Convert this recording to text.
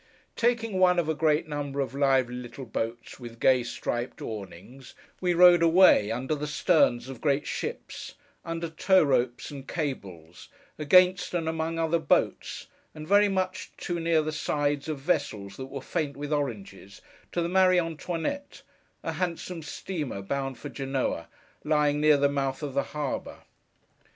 Taking one of a great number of lively little boats with gay striped awnings, we rowed away, under the sterns of great ships, under tow ropes and cables, against and among other boats, and very much too near the sides of vessels that were faint with oranges, to the Marie Antoinette, a handsome steamer bound for Genoa, lying near the mouth of the harbour.